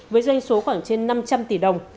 với doanh số khoảng trên năm trăm linh tỷ đồng